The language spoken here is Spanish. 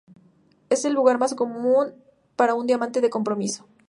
Es el lugar más común para un diamante de compromiso.